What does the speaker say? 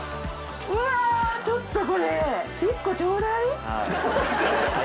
うわぁちょっとこれ１個ちょうだい。